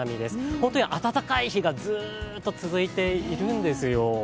本当に暖かい日がずっと続いているんですよ。